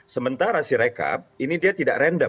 sementara si rekap ini dia tidak random